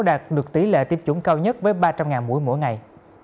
đạt được tỷ lệ tiêm chủng cao nhất với ba trăm linh mũi mỗi ngày